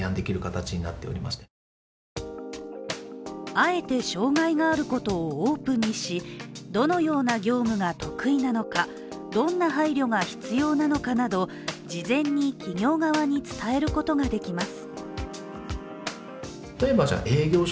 あえて障害があることをオープンにし、どのような業務が得意なのかどんな配慮が必要なのかなど事前に企業側に伝えることができます。